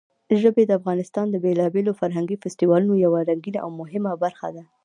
ژبې د افغانستان د بېلابېلو فرهنګي فستیوالونو یوه رنګینه او مهمه برخه ده.